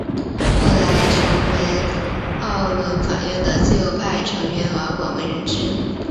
后来成为沃伦法院的自由派成员而广为人知。